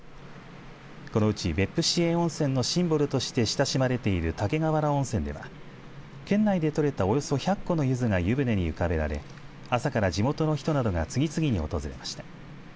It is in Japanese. このうち別府市営温泉のシンボルとして親しまれている竹瓦温泉では県内で取れたおよそ１００個のゆずが湯船に浮かべられ朝から地元の人などが次々に訪れました。